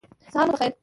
سهار مو په خیر !